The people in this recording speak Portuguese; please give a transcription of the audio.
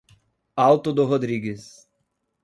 Alto do Rodrigues